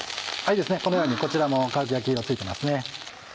このようにこちらも軽く焼き色ついてますね。